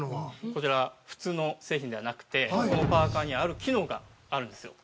◆こちら、普通の製品ではなくてこのパーカーにはある機能があるんですよ。